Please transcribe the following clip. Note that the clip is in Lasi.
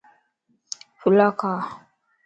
ڦلا کا